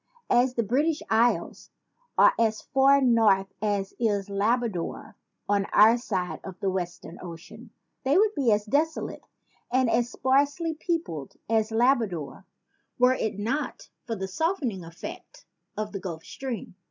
As the British Isles are as far north as is Labrador on our side of the Western Ocean, they would be as desolate and as sparsely peopled as Labrador were it not for the softening effect of the Gulf Stream.